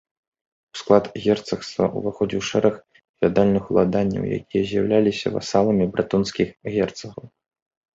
У склад герцагства ўваходзіў шэраг феадальных уладанняў, якія з'яўляліся васаламі брэтонскіх герцагаў.